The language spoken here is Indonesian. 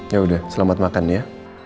yaudah selamat makan ya